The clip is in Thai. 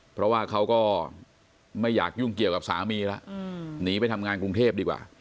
เพราะว่าเขาก็ไม่อยากยุ่งเกี่ยวกับสามีแล้วหนีไปทำงานกรุงเทพดีกว่า